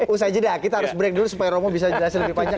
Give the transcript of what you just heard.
usah aja deh kita harus break dulu supaya romo bisa jelasin lebih panjang